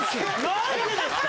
何でですか！